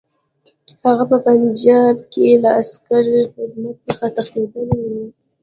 هغه په پنجاب کې له عسکري خدمت څخه تښتېدلی وو.